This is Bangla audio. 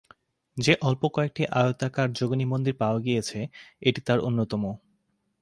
যে অল্প কয়েকটি আয়তাকার যোগিনী মন্দির পাওয়া গিয়েছে, এটি তার অন্যতম।